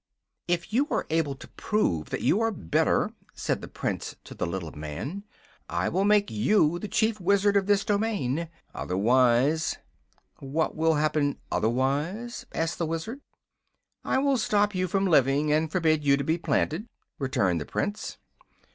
"If you are able to prove that you are better," said the Prince to the little man, "I will make you the Chief Wizard of this domain. Otherwise " "What will happen otherwise?" asked the Wizard. "I will stop you from living, and forbid you to be planted," returned the Prince.